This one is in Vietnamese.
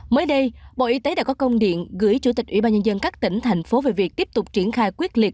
mới đây bộ y tế đã có công điện gửi chủ tịch ubnd các tỉnh thành phố về việc tiếp tục triển khai quyết liệt